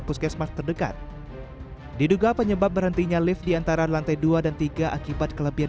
puskesmas terdekat diduga penyebab berhentinya lift diantara lantai dua dan tiga akibat kelebihan